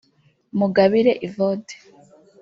Mugabire Evode